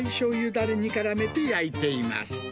だれにからめて焼いています。